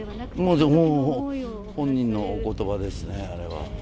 もうもう本人のおことばですね、あれは。